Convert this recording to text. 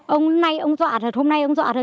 ông nay ông dọa thật hôm nay ông dọa thật